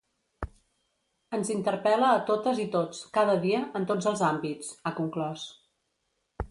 “Ens interpel·la a totes i tots, cada dia, en tots els àmbits”, ha conclòs.